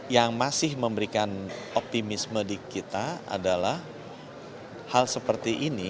yang masih memberikan optimisme di kita adalah hal seperti ini